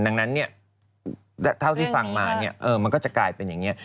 ดังนั้นเท่าที่ฟังมามันก็จะกลายเป็นอย่างนี้